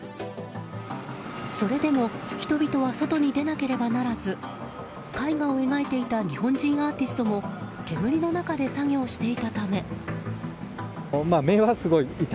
それでも人々は外に出なければならず絵画を描いていた日本人アーティストも煙の中で作業していたため。